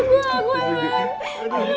aduh gue aku emang